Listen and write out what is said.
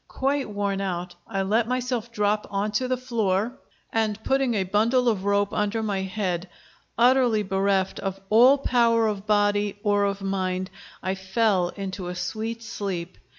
Quite worn out, I let myself drop on to the floor, and putting a bundle of rope under my head, utterly bereft of all power of body or of mind, I fell into a sweet sleep.